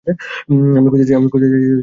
আমি খুজতে যাচ্ছি আংকেল মার্টিন্কে।